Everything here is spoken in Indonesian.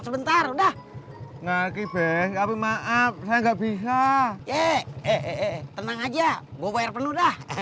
sebentar udah ngerti beb tapi maaf saya nggak bisa ye eh eh eh tenang aja gue bayar penuh dah